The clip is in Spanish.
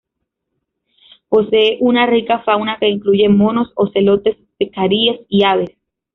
Posee una rica fauna que incluye monos, ocelotes, pecaríes, y aves.